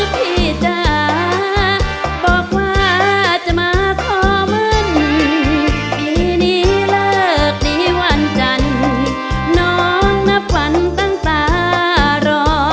ปีนี้เลิกที่วันจันทร์น้องมะฝันตั้งตรอ